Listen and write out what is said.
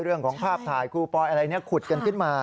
เรื่องของภาพถ่ายครูปอยอะไรขุดกันขึ้นมา